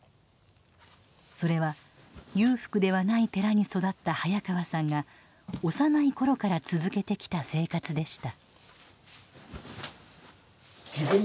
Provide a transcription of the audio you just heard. それは裕福ではない寺に育った早川さんが幼い頃から続けてきた生活でした。